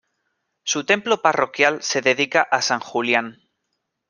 Su templo parroquial se dedica a San Julián.